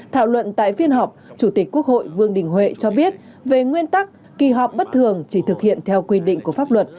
thảo luận tại phiên họp chủ tịch quốc hội vương đình huệ cho biết về nguyên tắc kỳ họp bất thường chỉ thực hiện theo quy định của pháp luật